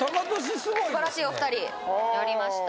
すばらしいお二人やりました